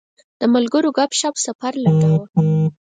د ملګرو ګپ شپ سفر لنډاوه.